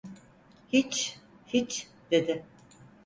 Hiç… Hiç! dedi.